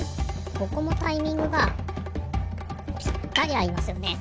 ここもタイミングがぴったりあいますよね。